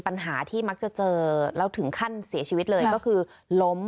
ปัญหาที่มักจะเจอแล้วถึงขั้นเสียชีวิตเลยก็คือล้ม